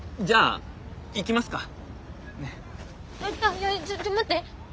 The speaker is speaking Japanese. いやちょっと待って。